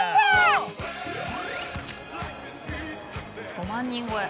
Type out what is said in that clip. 「５万人超え」